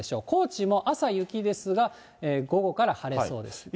高知も朝雪ですが、午後から晴れそうです。